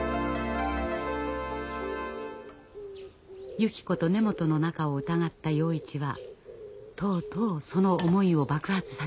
ゆき子と根本の仲を疑った洋一はとうとうその思いを爆発させました。